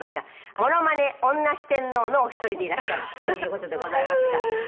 「モノマネ女四天王のお一人でいらっしゃるという事でございますが」